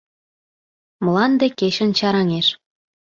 Мланде кечын чараҥеш.